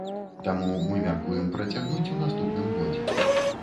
Таму мы мяркуем працягнуць у наступным годзе.